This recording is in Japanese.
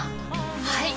はい！